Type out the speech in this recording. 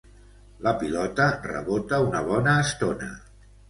La pilota rebota una bona estona.